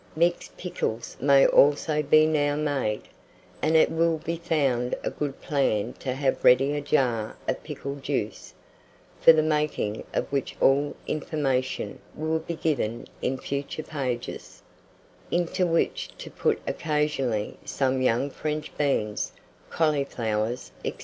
Mixed pickles may also be now made, and it will be found a good plan to have ready a jar of pickle juice (for the making of which all information will be given in future pages), into which to put occasionally some young French beans, cauliflowers, &c.